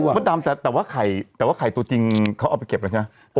เฮ้ยพ่อดำแต่ว่าไข่ตัวจริงเขาเอาไปเก็บแล้วใช่ไหม